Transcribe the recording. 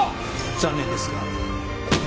残念ですが。